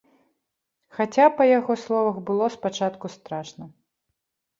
Хаця, па яго словах, было спачатку страшна.